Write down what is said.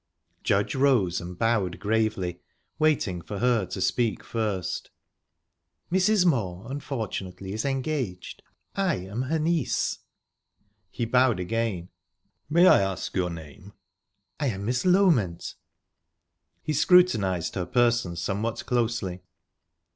Judge rose and bowed gravely, waiting for her to speak first. "Mrs. Moor unfortunately is engaged. I am her niece." He bowed again. "May I ask your name?" "I am Miss Loment." He scrutinised her person somewhat closely.